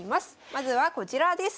まずはこちらです。